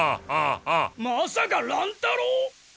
まさか乱太郎！？